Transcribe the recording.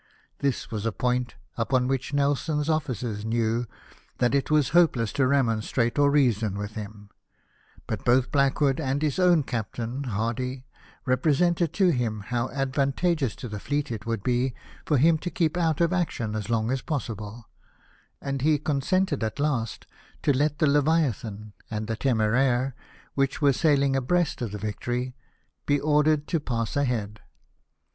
This was a point upon which Nelson's officers knew that it Avas hopeless to remonstrate or reason with him ; but both Blackwood and his own captain, Hardy, repre sented to him how advantageous to the fleet it would be for him to keep out of action as long as possible ; and he consented at last to let the Leviathan and the Temeraire, which were sailing abreast of the Victory, be ordered to pass ahead.